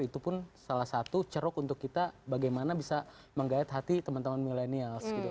itu pun salah satu ceruk untuk kita bagaimana bisa menggayat hati teman teman milenials gitu